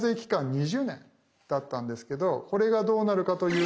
２０年だったんですけどこれがどうなるかというと無期限。